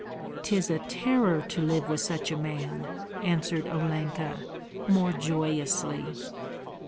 "'Tis a terror to live with such a man," answered Olenka, more joyously.